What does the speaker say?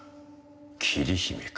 桐姫か？